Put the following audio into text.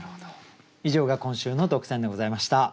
以上が今週の特選でございました。